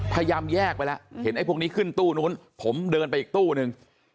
พยายามแยกไปแล้วเห็นไอ้พวกนี้ขึ้นตู้นู้นผมเดินไปอีกตู้นึง